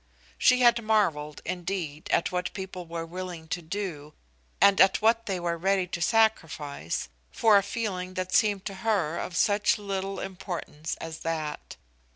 She had marveled, indeed, at what people were willing to do, and at what they were ready to sacrifice, for a feeling that seemed to her of such little importance as that.